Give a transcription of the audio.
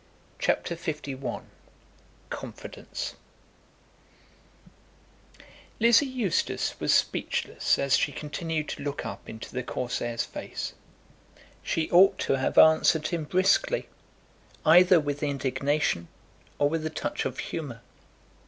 CHAPTER LI Confidence Lizzie Eustace was speechless as she continued to look up into the Corsair's face. She ought to have answered him briskly, either with indignation or with a touch of humour.